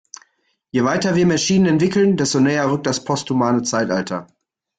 Je weiter wir Maschinen entwickeln, desto näher rückt das posthumane Zeitalter.